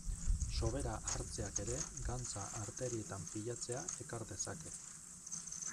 Sobera hartzeak ere gantza arterietan pilatzea ekar dezake.